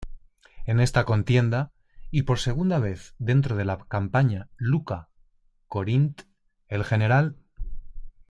En esta contienda, y por segunda vez dentro de la Campaña Iuka-Corinth, el Gral.